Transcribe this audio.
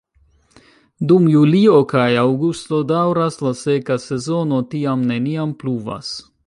Dum julio kaj aŭgusto daŭras la seka sezono, tiam neniam pluvas.